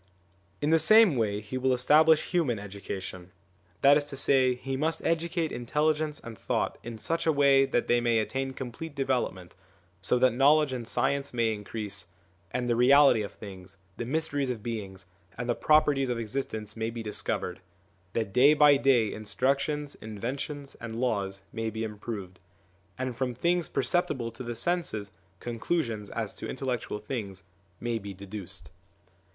In the same way he will establish human education ; that is to say, he must educate intelligence and thought in such a way that they may attain complete development, so that knowledge and science may increase, and the reality of things, the mysteries of beings, and the properties of existence may be dis covered; that day by day instructions, inventions, and laws may be improved; and from things per ceptible to the senses conclusions as to intellectual things may be deduced.